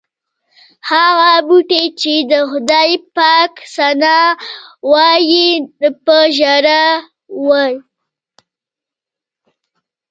هغه بوټي چې د خدای پاک ثنا وایي په ژړا و.